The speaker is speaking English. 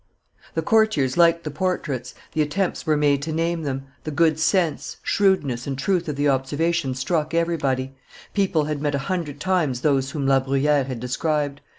The courtiers liked the portraits; attempts were made to name them; the good sense, shrewdness, and truth of the observations struck everybody; people had met a hundred times those whom La Bruyere had described.